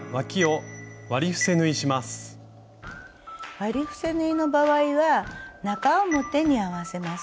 割り伏せ縫いの場合は中表に合わせます。